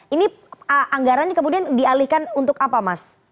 ini anggarannya kemudian dialihkan untuk apa mas